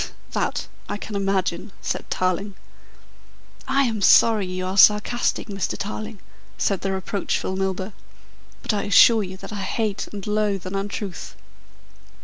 "That I can imagine," said Tarling. "I am sorry you are sarcastic, Mr. Tarling," said the reproachful Milburgh, "but I assure you that I hate and loathe an untruth."